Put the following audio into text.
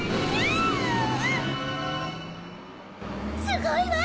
すごいわ！